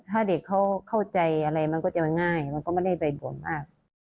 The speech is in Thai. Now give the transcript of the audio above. ถ้าเด็กเขาเข้าใจอะไรมันก็จะง่ายมันก็ไม่ได้ไปบวกมาก